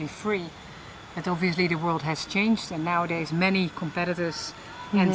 karena perusahaan membutuhkan pilihan